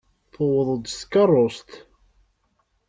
Tuweḍ-d s tkeṛṛust.